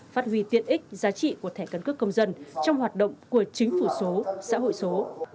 phát huy tiện ích giá trị của thẻ căn cước công dân trong hoạt động của chính phủ số xã hội số